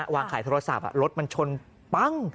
วางขายโทรศัพท์รถมันชนปั้ง